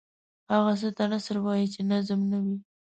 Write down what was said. هغه څه ته نثر وايو چې نظم نه وي.